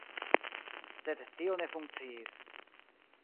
Sed tio ne funkciis.